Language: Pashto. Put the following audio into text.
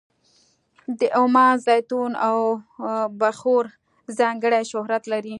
د عمان زیتون او بخور ځانګړی شهرت لري.